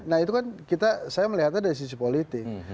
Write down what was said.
nah itu kan kita saya melihatnya dari sisi politik